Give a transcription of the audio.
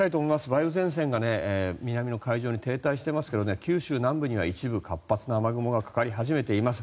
梅雨前線が南の海上に停滞していますが九州南部には一部活発な雨雲がかかり始めています。